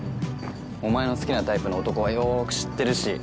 お前の好きなタイプの男はよーく知ってるし。